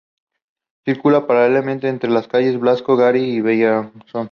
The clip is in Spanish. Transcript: Circula paralelamente entre las calles Blasco de Garay y Vallehermoso.